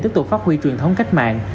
tiếp tục phát huy truyền thống cách mạng